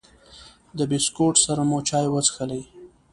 د بسکوټ سره مو چای وڅښلې.